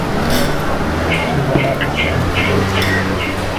tunza maji ya matembele kwa sababu yana virutubishi